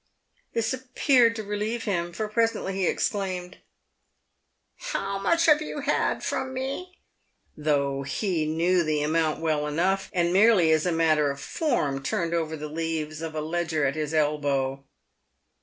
This appeared to relieve him, for presently he exclaimed, " How much have you had from me ?" though he knew the amount well enough, and merely as a matter of form turned over the leaves of a ledger at his elbow.